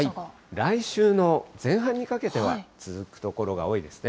来週の前半にかけては、続く所が多いですね。